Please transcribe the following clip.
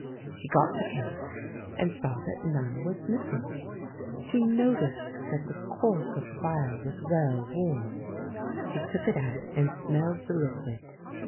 She got the case, and saw that none was missing. She noticed that the cork of the phial was well worn. She took it out and smelled the liquid.